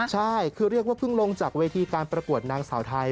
ใช่คือเรียกว่าเพิ่งลงจากเวทีการประกวดนางสาวไทย